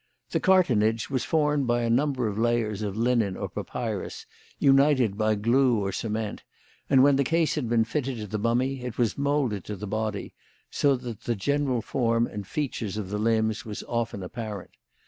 The cartonnage, was formed of a number of layers of linen or papyrus united by glue or cement, and when the case had been fitted to the mummy it was moulded to the body, so that the general form of the features and limbs was often apparent.